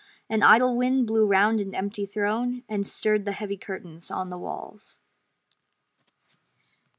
An idle wind blew round an empty throne And stirred the heavy curtains on the walls.